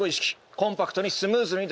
コンパクトにスムーズに出す。